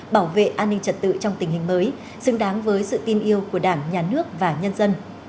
bảo vệ an ninh trật tự trong tình hình mới xứng đáng với sự tin yêu của đảng nhà nước và nhân dân